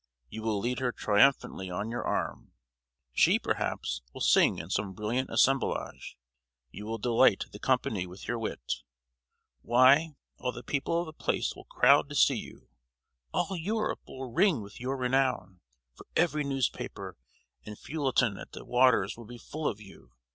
You will lead her triumphantly on your arm; she, perhaps, will sing in some brilliant assemblage; you will delight the company with your wit. Why, all the people of the place will crowd to see you! All Europe will ring with your renown, for every newspaper and feuilleton at the Waters will be full of you.